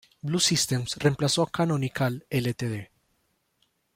Blue Systems reemplazó a Canonical Ltd.